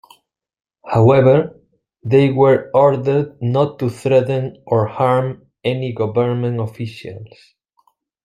However, they were ordered not to threaten or harm any government officials.